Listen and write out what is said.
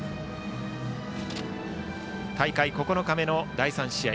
大会９日目の第３試合。